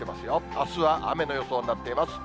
あすは雨の予想になっています。